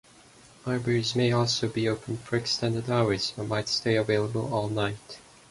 Libraries may also be open for extended hours, or might stay available all night.